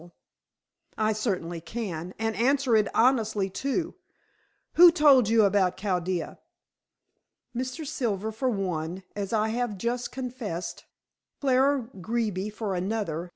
"I certainly can, and answer it honestly, too. Who told you about Chaldea?" "Mr. Silver, for one, as I have just confessed. Clara Greeby for another.